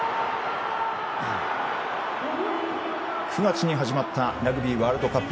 ９月に始まったラグビーワールドカップ